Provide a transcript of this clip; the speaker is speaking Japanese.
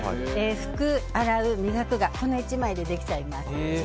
拭く、洗う、磨くがこの１枚でできちゃいます。